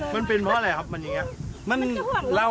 มันเป็นเพราะอะไรครับ